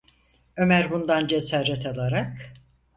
Ömer bundan cesaret alarak: